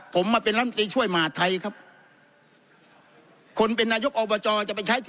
ผมมาเป็นรัฐมนตรีช่วยมหาทัยครับคนเป็นนายกอบจจะไปใช้ที่